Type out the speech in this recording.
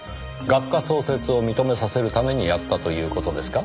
学科創設を認めさせるためにやったという事ですか？